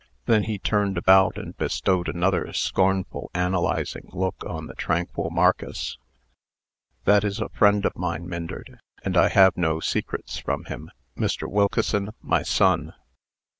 Then he turned about, and bestowed another scornful, analyzing look on the tranquil Marcus. "That is a friend of mine, Myndert, and I have no secrets from him. Mr. Wilkeson my son."